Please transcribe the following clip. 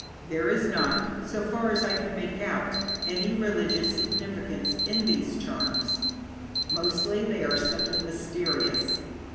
There is not, so far as I can make out, any religious significance in these charms; mostly they are simply mysterious.